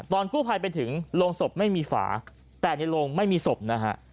กู้ภัยไปถึงโรงศพไม่มีฝาแต่ในโรงไม่มีศพนะฮะ